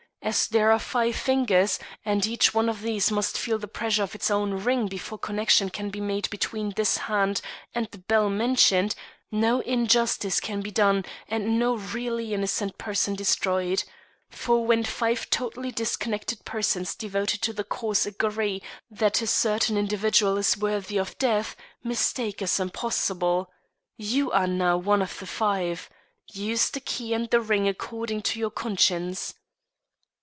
As there are five fingers, and each one of these must feel the pressure of its own ring before connection can be made between this hand and the bell mentioned, no injustice can be done and no really innocent person destroyed. For, when five totally disconnected persons devoted to the cause agree that a certain individual is worthy of death, mistake is impossible. You are now one of the five. Use the key and the ring according to your conscience.